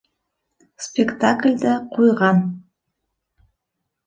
Спектаклде... ҡуйған